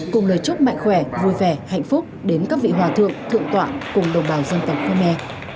cùng lời chúc mạnh khỏe vui vẻ hạnh phúc đến các vị hòa thượng thượng tọa cùng đồng bào dân tộc khmer